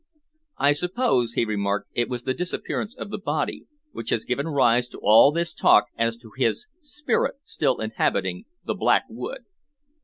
"I suppose," he remarked, "it was the disappearance of the body which has given rise to all this talk as to his spirit still inhabiting the Black Wood."